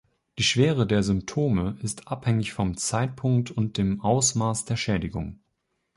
Die Schwere der Symptome ist abhängig vom Zeitpunkt und dem Ausmaß der Schädigung.